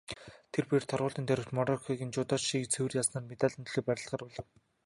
Тэр бээр торгуулийн тойрогт Мороккогийн жүдочийг цэвэр ялснаар медалийн төлөө барилдахаар болов.